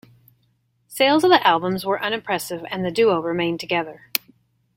Sales of the albums were unimpressive, and the duo remained together.